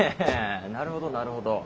なるほどなるほど。